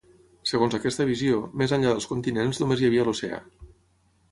Segons aquesta visió, més enllà dels continents només hi havia l'oceà.